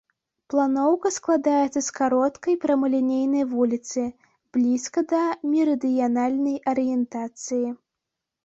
Планоўка складаецца з кароткай прамалінейнай вуліцы, блізкай да мерыдыянальнай арыентацыі.